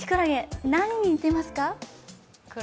何に似てますか？